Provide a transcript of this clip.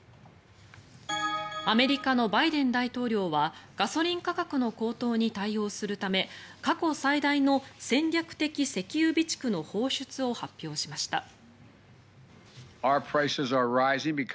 アメリカのバイデン大統領はガソリン価格の高騰に対応するため過去最大の戦略的石油備蓄の放出を発表しました。